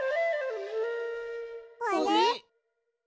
あれ？